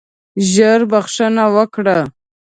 ژر بخښنه وکړه.